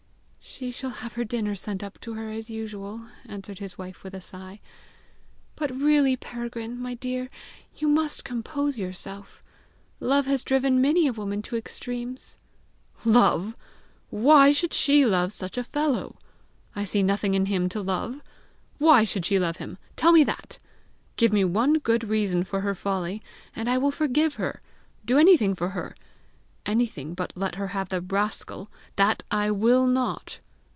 "She shall have her dinner sent up to her as usual," answered his wife with a sigh. "But, really, Peregrine, my dear, you must compose yourself! Love has driven many a woman to extremes!" "Love! Why should she love such a fellow? I see nothing in him to love! WHY should she love him? Tell me that! Give me one good reason for her folly, and I will forgive her do anything for her! anything but let her have the rascal! That I WILL NOT!